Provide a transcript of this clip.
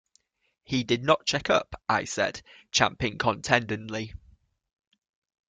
'He did not check up' I said, champing contentedly.